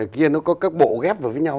kia nó có các bộ ghép vào với nhau